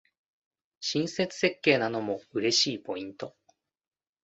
親切設計なのも嬉しいポイント